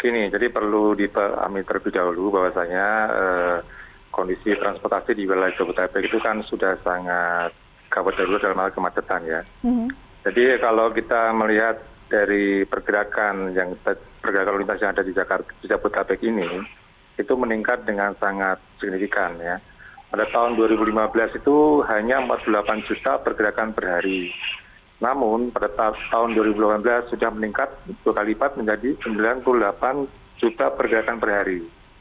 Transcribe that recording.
namun pada tahun dua ribu delapan belas sudah meningkat dua kali lipat menjadi sembilan puluh delapan juta pergerakan per hari